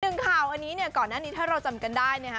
หนึ่งข่าวอันนี้เนี่ยก่อนหน้านี้ถ้าเราจำกันได้นะฮะ